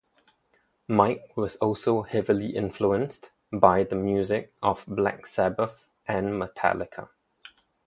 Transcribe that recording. Mike was also heavily influenced by the music of Black Sabbath and Metallica.